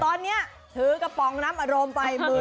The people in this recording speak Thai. ตอนนี้ถือกระป๋องน้ำอารมณ์ไป